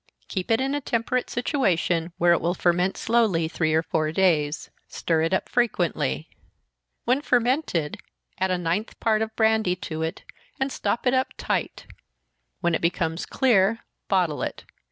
Keep it in a temperate situation, where it will ferment slowly, three or four days stir it up frequently. When fermented, add a ninth part of brandy to it, and stop it up tight when it becomes clear, bottle it.